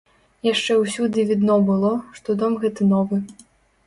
Яшчэ ўсюды відно было, што дом гэты новы.